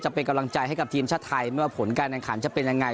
จะเป็นกำลังใจให้กับทีมชาติไทยเมื่อผลการแข่งขันจะเป็นยังไง